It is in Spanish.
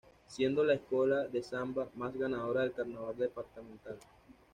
Siendo la escola de samba más ganadora del carnaval departamental.